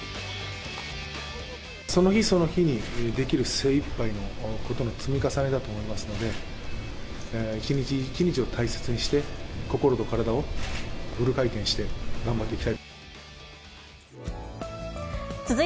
その日その日にできる精いっぱいのことの積み重ねだと思いますので、一日一日を大切にして、心と体をフル回転して、頑張っていきたい。